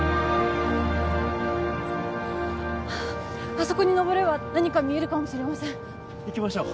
あそこに登れば何か見えるかもしれません行きましょう